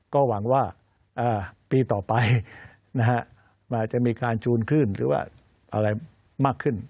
ก็หวังว่าอ่าปีต่อไปนะฮะมันจะมีการจูนขึ้นหรือว่าอะไรมากขึ้น